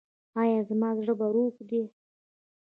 ایا زما زړه روغ دی؟